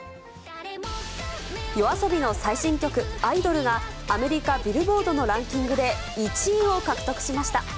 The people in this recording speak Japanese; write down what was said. ＹＯＡＳＯＢＩの最新曲、アイドルが、アメリカのビルボードのランキングで１位を獲得しました。